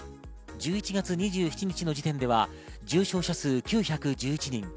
１１月２７日の時点では重症者数９１１人。